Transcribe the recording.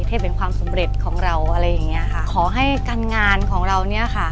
เทพแห่งความสำเร็จของเราอะไรอย่างเงี้ยค่ะขอให้การงานของเราเนี้ยค่ะ